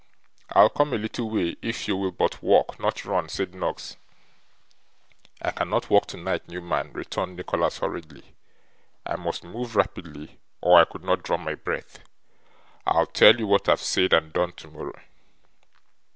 'I'll come a little way, if you will but walk: not run,' said Noggs. 'I cannot walk tonight, Newman,' returned Nicholas, hurriedly. 'I must move rapidly, or I could not draw my breath. I'll tell you what I've said and done tomorrow.